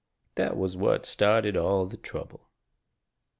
That was what started all the trouble.